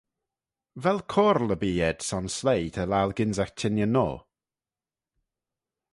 Vel coyrle erbee ayd son sleih ta laccal gynsagh çhengey noa?